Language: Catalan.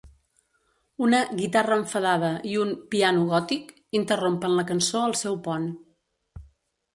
Una "guitarra enfadada" i un "piano gòtic" interrompen la cançó al seu pont.